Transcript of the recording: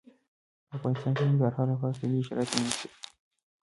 په افغانستان کې د ننګرهار لپاره طبیعي شرایط مناسب دي.